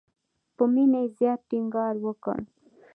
په مینه یې زیات ټینګار وکړ.